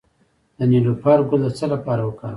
د نیلوفر ګل د څه لپاره وکاروم؟